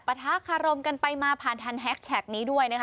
ประทะคารมกันไปมาผ่านทันแฮชแท็กนี้ด้วยนะคะ